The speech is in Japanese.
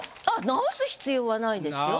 直す必要はないですよ。